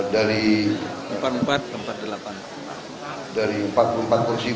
dari empat puluh empat kursi menjadi empat puluh delapan kursi